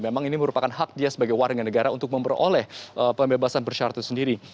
memang ini merupakan hak dia sebagai warga negara untuk memperoleh pembebasan bersyarat itu sendiri